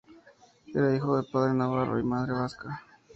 Era hijo de padre navarro y madre vasca.